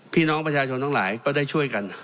พี่น้องประชาชนทั้งหลายก็ได้ช่วยกัน